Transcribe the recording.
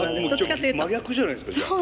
真逆じゃないですかじゃあ。